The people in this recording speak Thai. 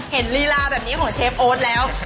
ลีลาแบบนี้ของเชฟโอ๊ตแล้ว